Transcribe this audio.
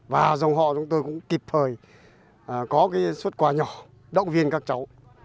và dòng họ chúng tôi cũng kịp thời có cái xuất quà nhỏ động viên các cháu